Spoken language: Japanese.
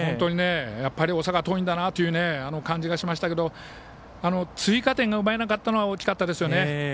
やっぱり大阪桐蔭という感じがしましたけど追加点が奪えなかったのが大きかったですよね。